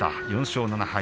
４勝７敗。